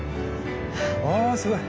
あすごい！